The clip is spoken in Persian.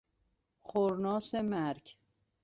خرناس مرگ